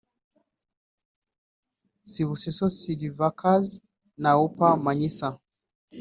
Sibusiso Vilakazi na Oupa Manyisa